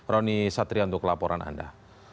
roni satria untuk laporan anda